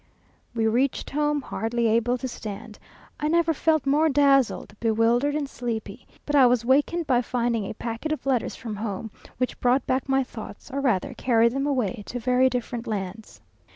We reached home hardly able to stand. I never felt more dazzled, bewildered, and sleepy; but I was wakened by finding a packet of letters from home, which brought back my thoughts, or rather carried them away to very different lands.